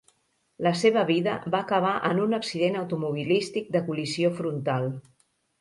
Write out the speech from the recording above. La seva vida va acabar en un accident automobilístic de col·lisió frontal.